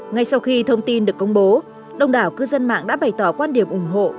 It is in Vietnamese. ngay sau khi thông tin được công bố đông đảo cư dân mạng đã bày tỏ quan điểm ủng hộ